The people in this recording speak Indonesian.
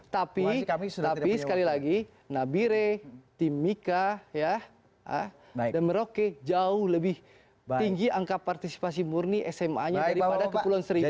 tapi sekali lagi nabire timika dan merauke jauh lebih tinggi angka partisipasi murni sma nya daripada kepulauan seribu